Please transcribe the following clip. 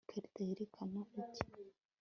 Ikarita yerekana iki